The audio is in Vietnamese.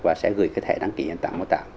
và sẽ gửi cái thẻ đăng ký hiện tại mô tả